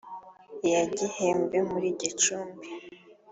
iya Gihembe muri Gicumbi